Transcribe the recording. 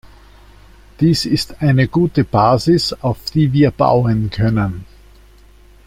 Dies ist ein gute Basis, auf die wir bauen können.